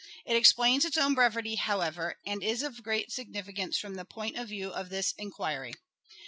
It explains its own brevity however, and is of great significance from the point of view of this enquiry.